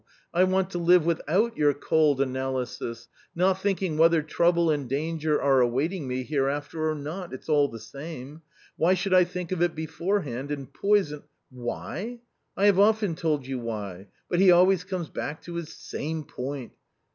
I want to live without your cold analysis, not thinking whether trouble and danger are awaiting me hereafter or not, it's all the same ! Why should I think of it beforehand and poison " "Why! I have often told you why, but he always comes back to his same point.